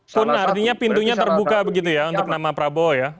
pun artinya pintunya terbuka begitu ya untuk nama prabowo ya